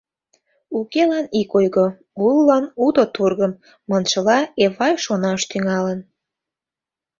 «Укелан — ик ойго, улылан — уто тургым», — маншыла, Эвай шонаш тӱҥалын.